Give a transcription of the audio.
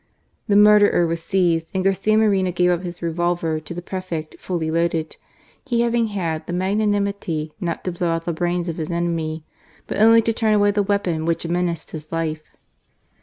The murderer was seized, and Garcia Moreno gave up his revolver to the prefect fully loaded, he having had the magnanimity not to blow out the brains of his enemy, but only to turn away the weapon which menaced his life.